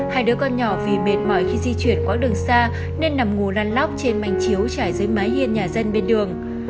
hai đứa con nhỏ vì mệt mỏi khi di chuyển quãng đường xa nên nằm ngủ lăn lóc trên mảnh chiếu trải dưới mái hiên nhà dân bên đường